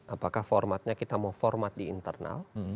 apakah formatnya kita mau format di internal